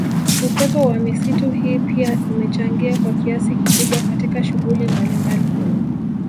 Uwepo wa misitu hii pia imechangia kwa kiasi kikubwa katika shughuli mbalimbali